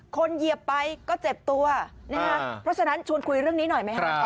เหยียบไปก็เจ็บตัวนะฮะเพราะฉะนั้นชวนคุยเรื่องนี้หน่อยไหมครับ